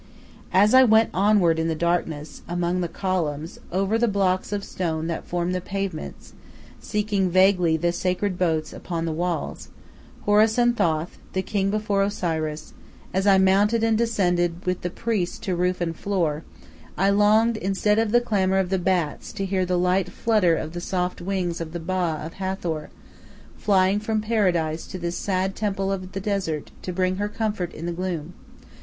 As I went onward in the darkness, among the columns, over the blocks of stone that form the pavements, seeing vaguely the sacred boats upon the walls, Horus and Thoth, the king before Osiris; as I mounted and descended with the priests to roof and floor, I longed, instead of the clamour of the bats, to hear the light flutter of the soft wings of the Ba of Hathor, flying from Paradise to this sad temple of the desert to bring her comfort in the gloom.